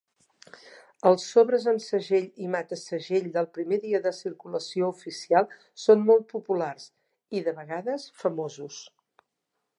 Els sobres amb segell i mata-segell del primer dia de circulació oficial són molt populars i, de vegades, famosos.